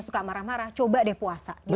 suka marah marah coba deh puasa